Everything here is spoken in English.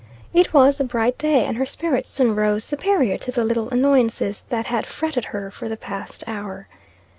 It was a bright day, and her spirits soon rose superior to the little annoyances that had fretted her for the past hour.